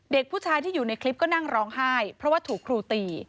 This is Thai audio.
เด็กผู้ชายที่อยู่ในคลิปก็นั่งร้องไห้เพราะว่าถูกครูตี